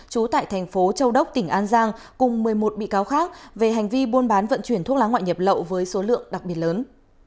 trú tại thành phố châu đốc tỉnh an giang cùng một mươi một bị cáo khác về hành vi buôn bán vận chuyển thuốc lá ngoại nhập lậu với số lượng đặc biệt lớn